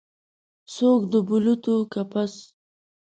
څوک د بلوطو کپس